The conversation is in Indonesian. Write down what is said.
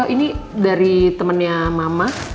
ini dari temennya mama